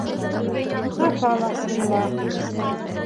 Сафа ла ҡушыла: